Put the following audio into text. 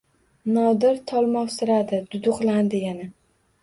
Nodir tolmovsiradi, duduqlandi yana.